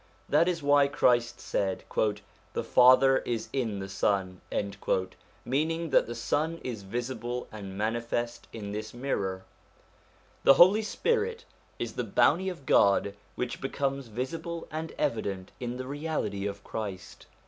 This is why Christ said, ' The Father is in the Son,' meaning that the Sun is visible and manifest in this mirror. The Holy Spirit is the Bounty of God which becomes visible and evident in the Reality of Christ.